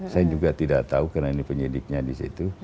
saya juga tidak tahu karena ini penyelidiknya disitu